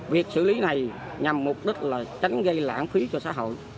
việc xử lý này nhằm mục đích là tránh gây lãng phí cho xã hội